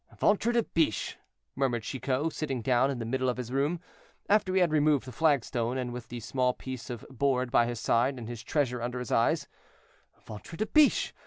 "Ventre de biche!" murmured Chicot, sitting down in the middle of his room, after he had removed the flagstone, and with the small piece of board by his side, and his treasure under his eyes, "ventre de biche!